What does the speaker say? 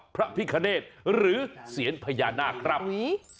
พระพิคเนธหรือเสียญพญานาคครับ